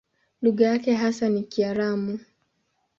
Lugha yake hasa ni Kiaramu.